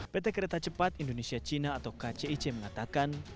pt kereta cepat indonesia cina atau kcic mengatakan